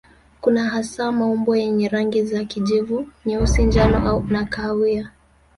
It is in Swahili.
Kuna hasa maumbo yenye rangi za kijivu, nyeusi, njano na kahawia.